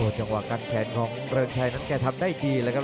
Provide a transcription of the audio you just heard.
จังหวะการแขนของเริงชัยนั้นแกทำได้ดีเลยครับ